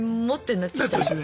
なってましたね。